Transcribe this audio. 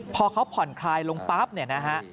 พอเขาผ่อนคลายลงปั๊บเนี่ยนะฮะ